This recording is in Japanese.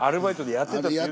やってた。